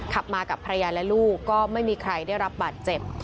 ขับมากับภรรยาและลูกก็ไม่มีใครได้รับบาดเจ็บ